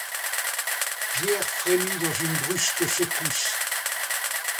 Pierre frémit, dans une brusque secousse.